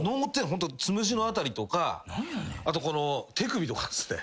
ホントつむじの辺りとかあとこの手首とかっすね。